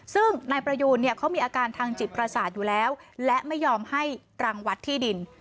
ซึ่งนายประยูนเนี่ยเขามีอาการทางจิตประสาทอยู่แล้วและไม่ยอมให้ตรังวัดที่ดิน